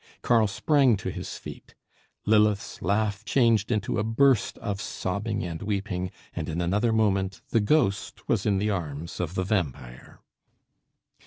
Karl sprang to his feet. Lilith's laugh changed into a burst of sobbing and weeping, and in another moment the ghost was in the arms of the vampire.